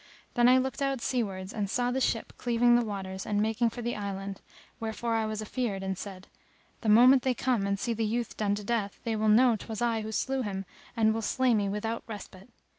Then I looked out seawards and saw the ship cleaving the waters and making for the island, wherefore I was afeard and said, "The moment they come and see the youth done to death, they will know 'twas I who slew him and will slay me without respite."